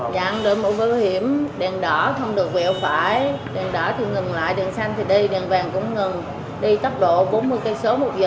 đã đổi bú bảo hiểm đèn đỏ không được vẹo phải đèn đỏ thì ngừng lại đèn xanh thì đi đèn vàng cũng ngừng đi tốc độ bốn mươi km một giờ